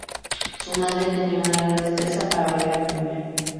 Su madre tenía gran destreza para bailar cumbia.